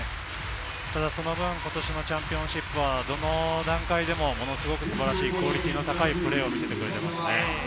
ただその分、今年のチャンピオンシップはどの段階でも素晴らしいクオリティーの高いプレーを見せてくれていますよね。